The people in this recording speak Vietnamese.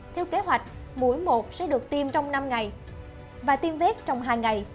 theo kế hoạch mỗi một sẽ được tiêm trong năm ngày và tiêm vết trong hai ngày